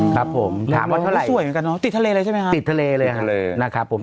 ก็สวยเหมือนกันเต็ดทะเลเลยใช่ไหมครับ